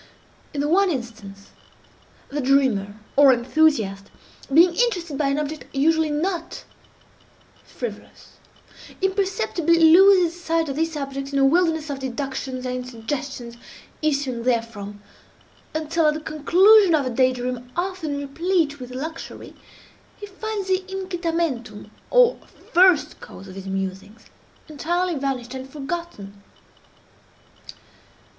In the one instance, the dreamer, or enthusiast, being interested by an object usually not frivolous, imperceptibly loses sight of this object in a wilderness of deductions and suggestions issuing therefrom, until, at the conclusion of a day dream often replete with luxury, he finds the incitamentum, or first cause of his musings, entirely vanished and forgotten.